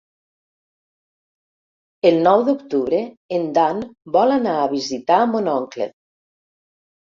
El nou d'octubre en Dan vol anar a visitar mon oncle.